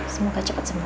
semoga cepat sembuh